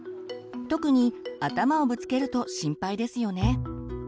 特に頭をぶつけると心配ですよね。